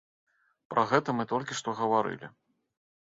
Пра гэта мы толькі што гаварылі.